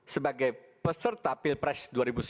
sebagai peserta pilpres dua ribu sembilan belas